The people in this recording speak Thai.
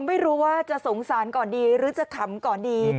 ไม่รู้ว่าจะสงสารก่อนดีหรือจะขำก่อนดี